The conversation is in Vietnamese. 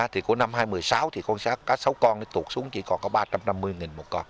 thì của năm hai nghìn một mươi sáu thì con cá sấu con tụt xuống chỉ còn có ba trăm năm mươi một con